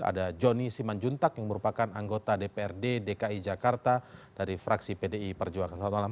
ada jonny siman juntak yang merupakan anggota dprd dki jakarta dari fraksi pdi perjuangan selatan malam